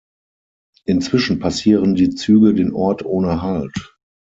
Inzwischen passieren die Züge den Ort ohne Halt.